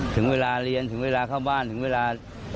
ถึงเวลาเรียนถึงเวลาเข้าบ้านถึงเวลา